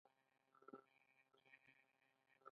دا سبک د یوناني او هندي هنر ترکیب و